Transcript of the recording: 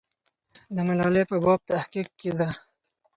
د ملالۍ په باب تحقیق کېده.